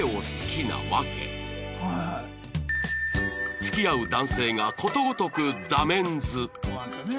付き合う男性がことごとくダメンズ